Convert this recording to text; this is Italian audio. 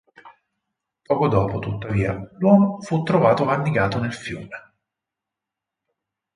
Poco dopo tuttavia l'uomo fu trovato annegato nel fiume.